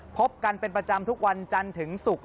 พบกันเป็นประจำทุกวันจันทร์ถึงศุกร์